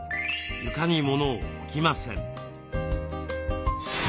床にモノを置きません。